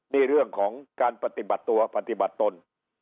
นี่เรื่องของการปฏิบัติตัวปฏิบัติตน